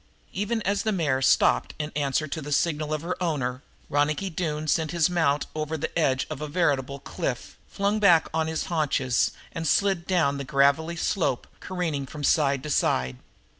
Even as the mare stopped in answer to the signal of her owner, Ronicky Doone sent his mount over the edge of a veritable cliff, flung him back on his haunches and slid down the gravelly slope, careening from side to side.